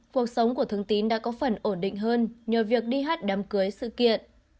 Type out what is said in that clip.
cuộc sống của thương tín đã có phần ổn định hơn nhờ việc đi hát đám cưới sự kiện